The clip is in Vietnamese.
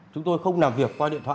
chúng tôi không làm việc qua điện thoại